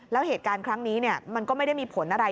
แล้วเหตุการณ์ครั้งนี้มันก็ไม่ได้มีผลอะไร